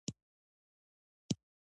انګور د افغانانو د فرهنګي پیژندنې برخه ده.